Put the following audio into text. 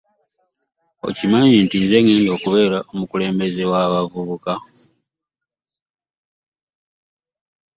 Okimanyi nti nze agenda okubeera omukulembeze w'abavubuka.